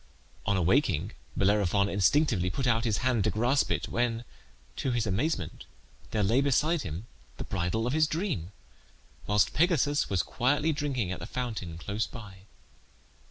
On awaking Bellerophon instinctively put out his hand to grasp it, when, to his amazement, there lay beside him the bridle of his dream, whilst Pegasus was quietly drinking at the fountain close by.